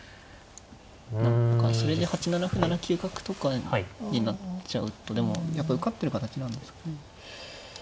何かそれで８七歩７九角とかになっちゃうとでもやっぱ受かってる形なんですかね。